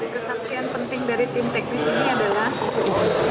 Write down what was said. kesaksian penting dari tim teknis ini adalah